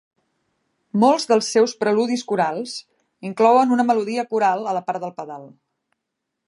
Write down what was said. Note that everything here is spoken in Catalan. Molts dels seus preludis corals inclouen una melodia coral a la part del pedal.